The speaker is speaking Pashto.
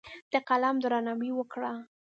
د قلم درناوی وکړه.